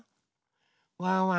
ワンワン